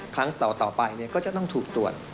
ครั้งต่อไปก็จะต้องถูกตรวจ